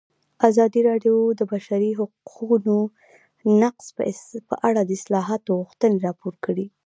ازادي راډیو د د بشري حقونو نقض په اړه د اصلاحاتو غوښتنې راپور کړې.